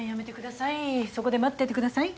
そこで待っててください。